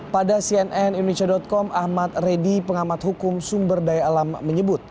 pada cnn indonesia com ahmad redi pengamat hukum sumber daya alam menyebut